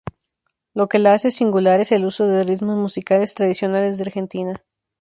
Lo que la hace singular, es el uso de ritmos musicales tradicionales de Argentina.